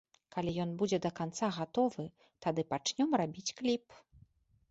Калі ён будзе да канца гатовы, тады пачнём рабіць кліп.